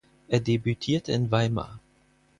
Er debütierte in Weimar.